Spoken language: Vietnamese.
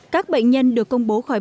các bệnh nhân được công bố khỏi bệnh